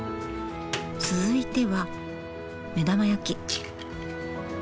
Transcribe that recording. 続いては目玉焼き。